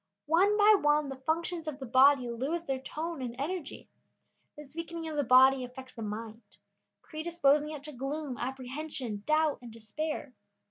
One by one the functions of the body lose their tone and energy. This weakening of the body affects the mind, predisposing it to gloom, apprehension, doubt, and despair.